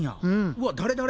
うわっ誰誰？